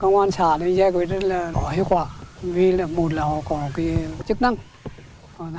công an xã nói dạy với nó là có hiệu quả vì là một là họ có kinh nghiệm